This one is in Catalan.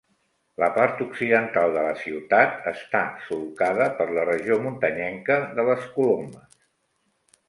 La part occidental de la ciutat està solcada per la regió muntanyenca de les Colomes.